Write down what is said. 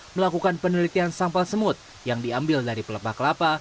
melakukan penelitian sampel semut yang diambil dari pelepah kelapa